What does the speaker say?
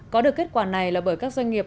có được kết quả này là bởi các doanh nghiệp